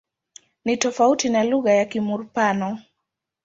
Ni tofauti na lugha ya Kimur-Pano.